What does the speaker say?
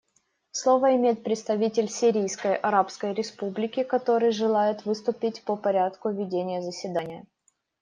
Слово имеет представитель Сирийской Арабской Республики, который желает выступить по порядку ведения заседания.